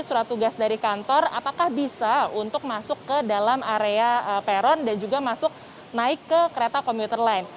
surat tugas dari kantor apakah bisa untuk masuk ke dalam area peron dan juga masuk naik ke kereta komuter lain